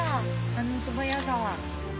あの素早さは。